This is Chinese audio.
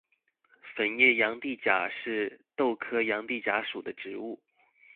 粉叶羊蹄甲是豆科羊蹄甲属的植物。